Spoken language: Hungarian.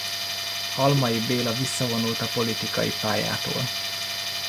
Halmay Béla visszavonult a politikai pályától.